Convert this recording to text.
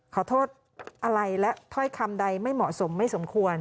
ขอโทษอะไรและถ้อยคำใดไม่เหมาะสมไม่สมควร